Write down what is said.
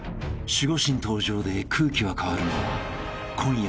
［守護神登場で空気は変わるも今夜は閉幕］